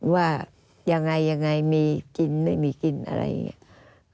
ว่ายังไงยังไงมีกินไม่มีกินอะไรอย่างนี้